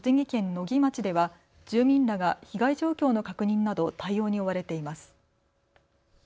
野木町では住民らが被害状況の確認など対応に追われています。